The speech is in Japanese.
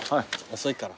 遅いから。